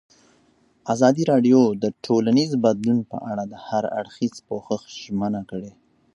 ازادي راډیو د ټولنیز بدلون په اړه د هر اړخیز پوښښ ژمنه کړې.